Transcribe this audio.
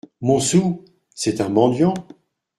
Mon sou ? c’est un mendiant !